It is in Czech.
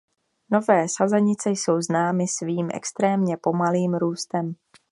Nové sazenice jsou známy svým extrémně pomalým růstem.